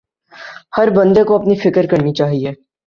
ہر بندے کو اپنی فکر کرنی چاہئے